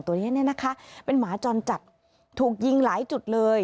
ตัวนี้เนี่ยนะคะเป็นหมาจรจัดถูกยิงหลายจุดเลย